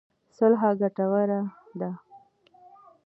صلح ګټور دی.